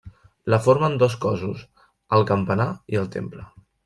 La formen dos cossos, el campanar i el temple.